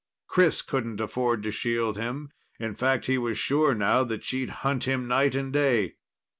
Chris couldn't afford to shield him. In fact, he was sure now that she'd hunt him night and day.